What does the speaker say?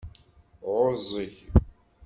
Ɛuẓẓeg.